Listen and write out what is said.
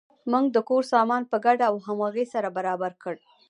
موږ د کور سامان په ګډه او همغږۍ سره برابر کړ.